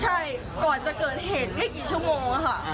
ใช่ก่อนจะเกิดเหตุไม่กี่ชั่วโมงค่ะ